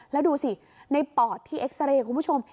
แล้วดูสิในปอดที่เอ็กซาเรย์คุณผู้ชม